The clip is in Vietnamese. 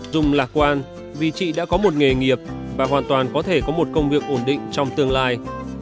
dung lạc quan vì chị đã có một nghề nghiệp và hoàn toàn có thể có một công việc ổn định trong tương lai